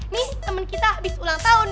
nih temen kita habis ulang tahun